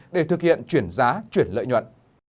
để thực hiện chuyển giá chuyển lợi nhuận